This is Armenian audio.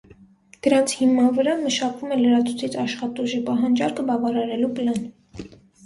Դրանց հիման վրա մշակվում է լրացուցիչ աշխատուժի պահանջարկը բավարարելու պլան։